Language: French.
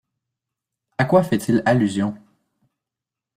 À quoi fait-il allusion?